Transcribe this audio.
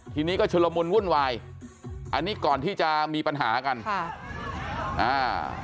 ทีนี้ก็ชุลมุนวุ่นวายอันนี้ก่อนที่จะมีปัญหากันค่ะอ่า